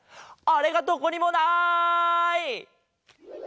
あれがどこにもない！